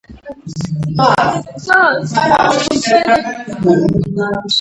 მდებარეობს გარბანის წმინდა გიორგის ეკლესიის ეზოში.